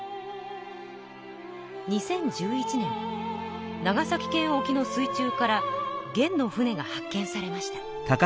２０１１年長崎県沖の水中から元の船が発見されました。